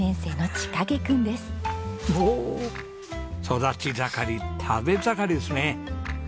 育ち盛り食べ盛りですね。